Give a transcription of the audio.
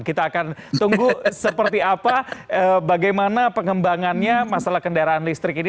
kita akan tunggu seperti apa bagaimana pengembangannya masalah kendaraan listrik ini